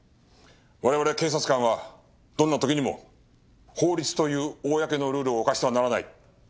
我々警察官はどんな時にも法律という公のルールを犯してはならない。